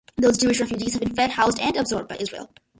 Those Jewish refugees have been fed, housed and absorbed by Israel.